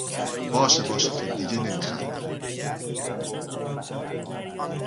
باشه باشه که دیگه نمیخندم